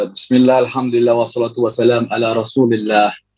bismillah alhamdulillah wassalatu wassalamu ala rasulillah